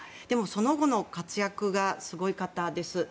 でも、その後の活躍がすごかったです。